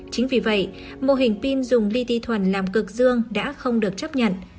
chính vì vậy mô hình pin dùng li ti thuần làm cực dương đã không được chấp nhận